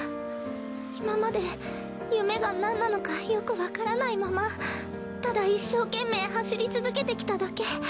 今まで夢がなんなのかよくわからないままただ一生懸命走り続けてきただけ。